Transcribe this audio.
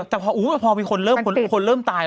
แต่พออุ้ยพอมีคนเริ่มตาย